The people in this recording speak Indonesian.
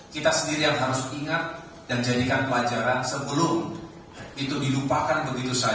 kita sendiri yang harus ingat dan jadikan pelajaran sebelum itu dilupakan begitu saja